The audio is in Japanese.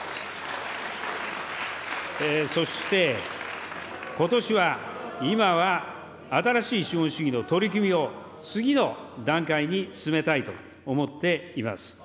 そして、ことしは、今は新しい資本主義の取り組みを、次の段階に進めたいと思っています。